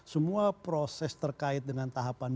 semua proses terkait dengan tahapan